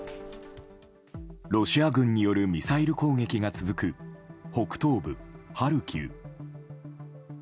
ロシア軍によるミサイル攻撃が続く、北東部ハルキウ。